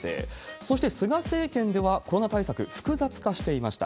そして菅政権ではコロナ対策、複雑化していました。